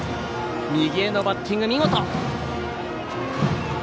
右へのバッティング、見事！